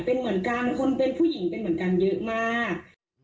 เป็นเหมือนกันคนเป็นผู้หญิงเป็นเหมือนกันเยอะมาก